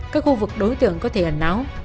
các khu vực đối tượng có thể ẩn náu